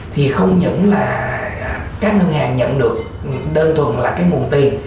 thì không những là các ngân hàng nhận được đơn thuần là cái nguồn tiền